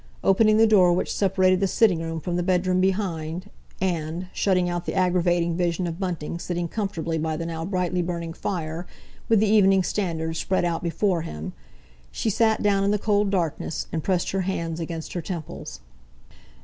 Opening the door which separated the sitting room from the bedroom behind, and—shutting out the aggravating vision of Bunting sitting comfortably by the now brightly burning fire, with the Evening Standard spread out before him—she sat down in the cold darkness, and pressed her hands against her temples.